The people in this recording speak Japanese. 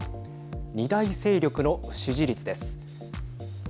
二大勢力の支持率です。